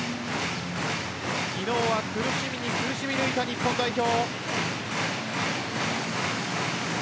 昨日は苦しみに苦しみ抜いた日本代表。